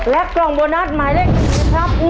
และกล่องโบนัสหมายเลข๑ล้านบาทนะครับ